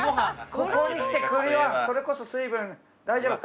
ここにきて栗はそれこそ水分大丈夫か？